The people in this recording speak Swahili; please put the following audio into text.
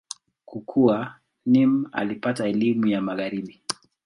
Kukua, Nimr alipata elimu ya Magharibi.